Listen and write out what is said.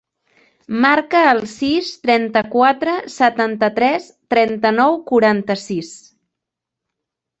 Marca el sis, trenta-quatre, setanta-tres, trenta-nou, quaranta-sis.